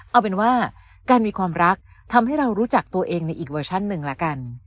เอาเป็นว่าการมีความรักทำให้เรารู้จักตัวเองในอีกเวอร์ชันหนึ่งละกัน